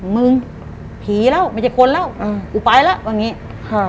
มึงผีแล้วมันจะคนแล้วอุปายแล้ว